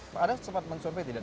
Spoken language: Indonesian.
pak ada sempat mensorbet tidak